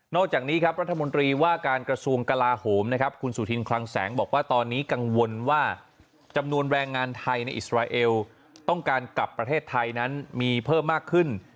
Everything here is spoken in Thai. จากนี้ครับรัฐมนตรีว่าการกระทรวงกลาโหมนะครับคุณสุธินคลังแสงบอกว่าตอนนี้กังวลว่าจำนวนแรงงานไทยในอิสราเอลต้องการกลับประเทศไทยนั้นมีเพิ่มมากขึ้น